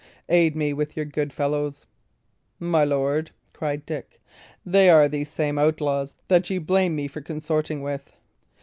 Aid me with your good fellows" "My lord," cried Dick, "they are these same outlaws that ye blame me for consorting with."